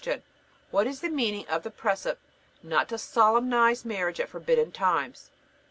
What is the meaning of the precept not to solemnize marriage at forbidden times?